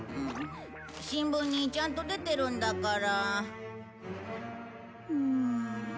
新聞にちゃんと出てるんだから。